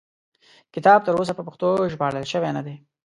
کتاب تر اوسه په پښتو ژباړل شوی نه دی.